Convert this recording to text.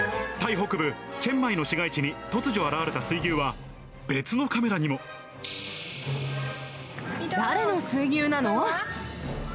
北部チェンマイの市街地に、突如現れた水牛は、別のカメラに誰の水牛なの？